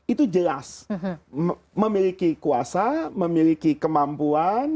itu jelas memiliki kuasa memiliki kemampuan